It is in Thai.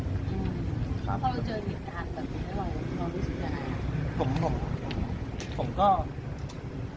พี่พอแล้วพี่พอแล้ว